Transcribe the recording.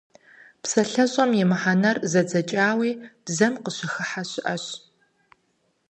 ПсалъэщӀэм и мыхьэнэр зэдзэкӀауи бзэм къыщыхыхьэ щыӏэщ.